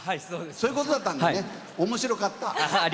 そういうことだったんだねおもしろかった。